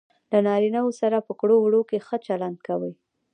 له نارینه وو سره په ګړو وړو کې ښه چلند کوي.